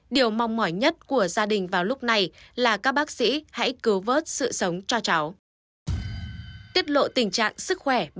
điều mong mỏi nhất của gia đình vào lúc này là các bác sĩ hãy cứu vớt sự sống cho cháu